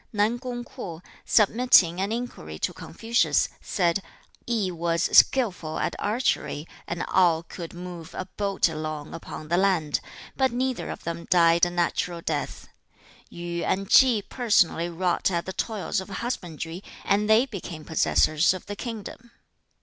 Nan kung Kwo, submitting an inquiry to Confucius, said, 'I was skillful at archery, and Ao could move a boat along upon the land, but neither of them died a natural death. Yu and Chi personally wrought at the toils of husbandry, and they became possessors of the kingdom.'